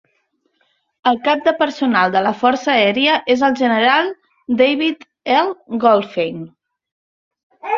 El cap de personal de la força aèria és el general David L. Goldfein.